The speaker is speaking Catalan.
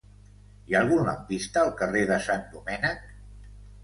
Hi ha algun lampista al carrer de Sant Domènec?